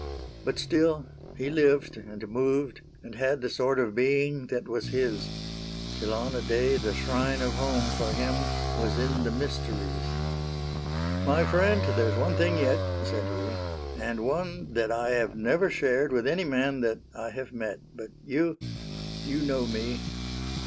But still he lived, and moved, and had The sort of being that was his. Till on a day the shrine of home For him was in the Mysteries :— 1 56 SAINTE NITOUCHE '' My friend, there 's one thing yet/' said he, '' And one that I have never shared With any man that I have met ; But you — you know me."